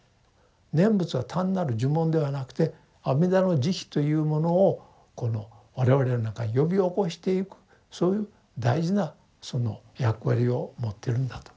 念仏は単なる呪文ではなくて阿弥陀の慈悲というものをこの我々の中に呼び起こしていくそういう大事なその役割を持ってるんだと。